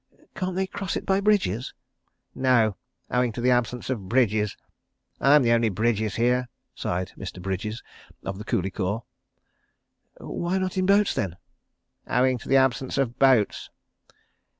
"Can't they cross it by bridges?" "No; owing to the absence of bridges. I'm the only Bridges here," sighed Mr. Bridges, of the Coolie Corps. "Why not in boats then?" "Owing to the absence of boats."